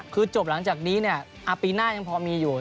คือจบหลังจากนี้ปีหน้ายังพอมีอยู่